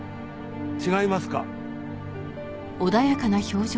違いますか？